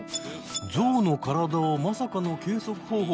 ゾウの体をまさかの計測方法